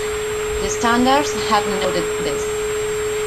The standards have noted this.